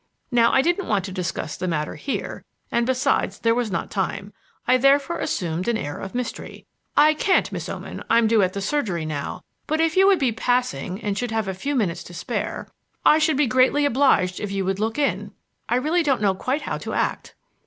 Now I didn't want to discuss the matter here, and, besides, there was not time. I therefore assumed an air of mystery. "I can't, Miss Oman. I'm due at the surgery now. But if you should be passing and should have a few minutes to spare, I should be greatly obliged if you would look in. I really don't quite know how to act."